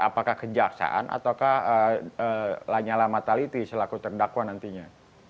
apakah kejaksaan atau lanyala mateliti selaku terdakwa nantinya